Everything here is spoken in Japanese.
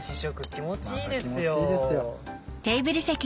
気持ちいいですよ。